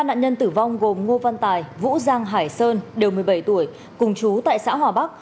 ba nạn nhân tử vong gồm ngô văn tài vũ giang hải sơn đều một mươi bảy tuổi cùng chú tại xã hòa bắc